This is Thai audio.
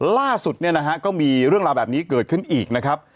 ล่าสุดเนี่ยนะฮะก็มีเรื่องราวแบบนี้เกิดขึ้นอีกนะครับ